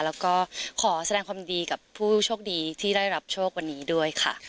แล้วก็ขอแสดงความดีกับผู้โชคดีที่ได้รับโชควันนี้ด้วยค่ะ